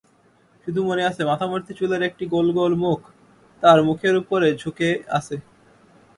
শুধু মনে আছে মাথাভর্তি চুলের একটি গোলগোল মুখ তার মুখের উপর ঝুকে আছে।